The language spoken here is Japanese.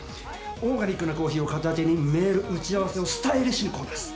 オーガニックなコーヒーを片手にメール打ち合わせをスタイリッシュにこなす。